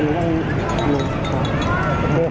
สวัสดีครับ